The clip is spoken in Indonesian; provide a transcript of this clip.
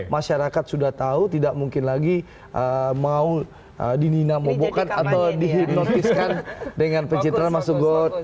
masyarakat sudah tahu tidak mungkin lagi mau dininamobokan atau dihipnotiskan dengan pencitraan masuk got